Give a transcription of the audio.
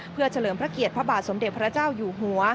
เพื่อเฉลิมพระเกียรติพระบาทสมเด็จพระเจ้าอยู่หัว